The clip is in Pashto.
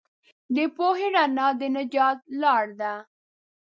د پوهې رڼا د نجات لار ده.